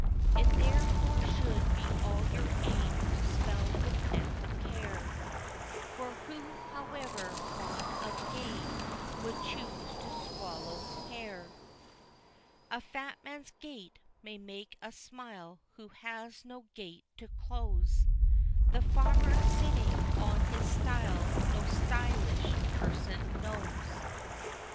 It therefore should be all your aim to spell with ample care; For who, however fond of game, would choose to swallow hair? A fat man's gait may make us smile, who has no gate to close; The farmer, sitting on his stile no _sty_lish person knows.